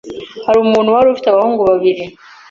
hari umuntu wari ufite abahungu babiri